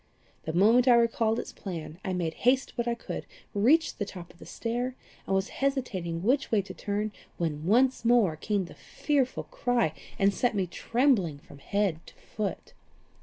The moment I recalled its plan, I made what haste I could, reached the top of the stair, and was hesitating which way to turn, when once more came the fearful cry, and set me trembling from head to foot.